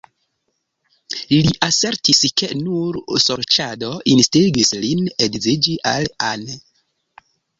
Li asertis ke nur sorĉado instigis lin edziĝi al Anne.